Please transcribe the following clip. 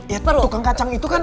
ya tukang kacang itu kan